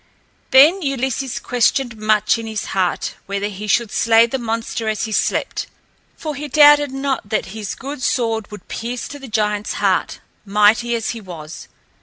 Then Ulysses questioned much in his heart whether he should slay the monster as he slept, for he doubted not that his good sword would pierce to the giant's heart, mighty as he was.